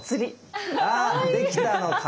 あっできたの顔。